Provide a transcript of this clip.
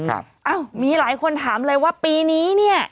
อ้าวมีหลายคนถามเลยว่าปีนี้เนี่ย